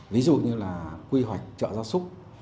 ví dụ như là quy hoạch chợ gia súc